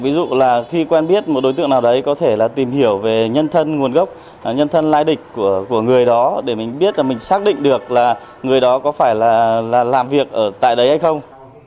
ví dụ là khi quen biết một đối tượng nào đấy có thể là tìm hiểu về nhân thân nguồn gốc nhân thân lai địch của người đó để mình biết là mình xác định được là người đó có phải là làm việc ở tại đấy hay không